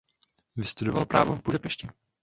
Vystudoval právo v Budapešti.